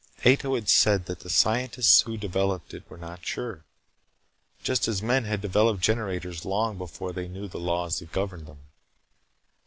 Ato had said that the scientists who developed it were not sure just as men had developed generators long before they knew the laws that governed them.